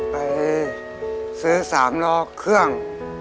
ไปซื้อ๓ล้อเครื่อง